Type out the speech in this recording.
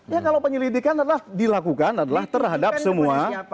ya kalau penyelidikan adalah dilakukan adalah terhadap semua